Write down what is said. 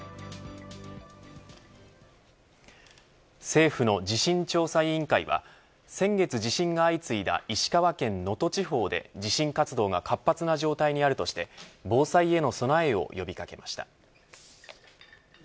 政府の地震調査委員会は先月地震が相次いだ石川県能登地方で地震活動が活発な状態にあるとして防災への備えを呼び掛けました。